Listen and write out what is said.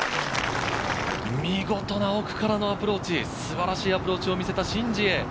見事な奥からのアプローチ、素晴らしいアプローチを見せたシン・ジエ。